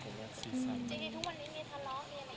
จริงทุกวันนี้มีทะเลาะมียังไงดีนะคะ